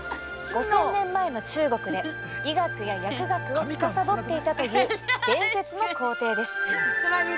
５０００年前の中国で医学や薬学を司っていたという伝説の皇帝です。